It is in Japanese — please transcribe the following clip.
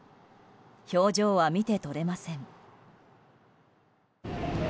表情は見て取れません。